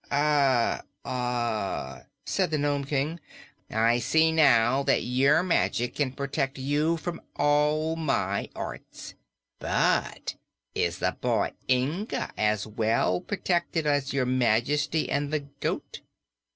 "Eh heh," said the Nome King. "I see now that your magic can protect you from all my arts. But is the boy Inga as, well protected as Your Majesty and the goat?'